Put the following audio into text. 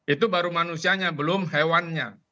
itu baru manusianya belum hewannya